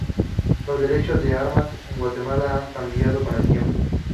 Los derechos de armas en Guatemala han cambiado con el tiempo.